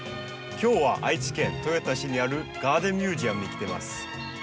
今日は愛知県豊田市にあるガーデンミュージアムに来てます。